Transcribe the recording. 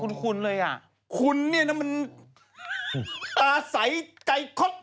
คุณคุณเลยอ่ะคุณเนี่ยนะมันตาใสใจครบ